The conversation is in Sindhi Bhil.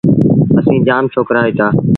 اسيٚݩ جآم ڇوڪرآ هوئيٚتآ۔